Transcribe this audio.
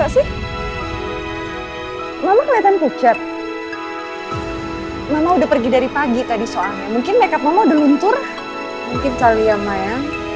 sampai jumpa di video selanjutnya